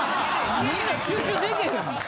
みんな集中でけへんもん。